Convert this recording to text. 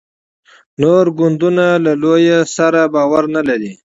نور ګوندونه له لویه سره باور نه لري.